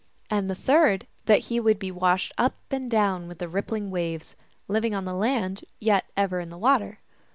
And the third, that he would be washed up and down with the rippling waves, living on the land, yet ever in the water.